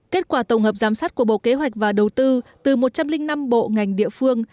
kết quả tổng hợp giám sát của bộ kế hoạch và đầu tư từ một trăm linh năm bộ ngành địa phương